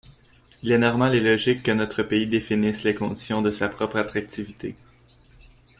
Il est normal et logique que notre pays définisse les conditions de sa propre attractivité.